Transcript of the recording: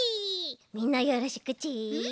みんなよろしくち。